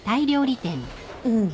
うん。